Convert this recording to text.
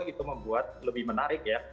itu membuat lebih menarik ya